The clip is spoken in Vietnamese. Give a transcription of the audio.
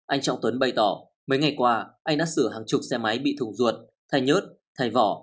anh trọng tuấn bày tỏ mấy ngày qua anh đã sửa hàng chục xe máy bị thùng ruột thay nhớt thay vỏ